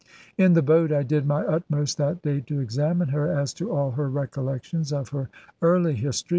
In the boat I did my utmost, that day, to examine her as to all her recollections of her early history.